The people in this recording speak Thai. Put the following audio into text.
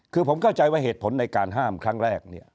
คือผมเข้าใจว่าเหตุผลในการห้ามครั้งแรกเนี่ย